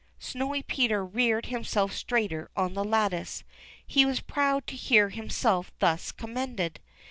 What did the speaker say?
Snowy Peter reared himself straighter on the lattice. He was proud to hear himself thus commended.